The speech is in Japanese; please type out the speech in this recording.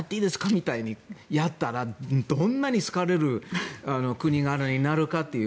みたいにやったらどんなに好かれる国になるかという。